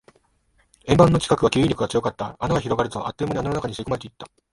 円盤の近くは吸引力が強かった。穴が広がると、あっという間に穴の中に吸い込まれていった。